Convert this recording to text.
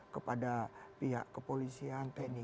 kepada pihak kepolisian teknik